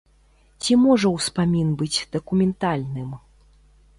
Ці можа ўспамін быць дакументальным?